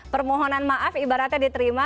permohonan maaf ibaratnya diterima